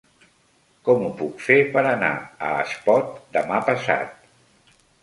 Com ho puc fer per anar a Espot demà passat?